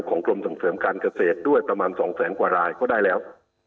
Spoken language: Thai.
กรมส่งเสริมการเกษตรด้วยประมาณ๒แสนกว่ารายก็ได้แล้ว